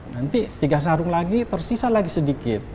nanti tiga sarung lagi tersisa lagi sedikit